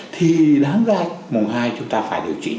thì đáng ra mùng hai chúng ta phải điều trị